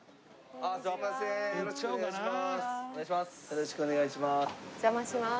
よろしくお願いします。